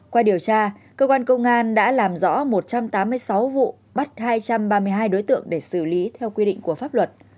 qua điều tra cơ quan công an đã làm rõ một trăm tám mươi sáu vụ bắt hai trăm ba mươi hai đối tượng để xử lý theo quy định của pháp luật